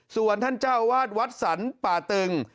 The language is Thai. ส่วนท่านเจ้าวาตวศรรปะตึง